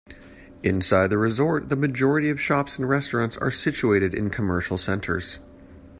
Inside the resort, the majority of shops and restaurants are situated in commercial centres.